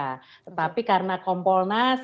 nah tetapi karena kompolnas